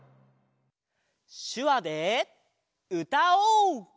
しゅわでうたおう！